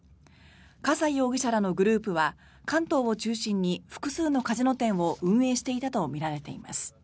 葛西容疑者らのグループは関東を中心に複数のカジノ店を運営していたとみられています。